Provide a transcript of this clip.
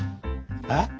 えっ？